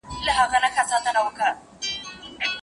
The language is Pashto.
تجارت باید له اروپا سره خلاص شي.